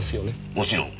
もちろん。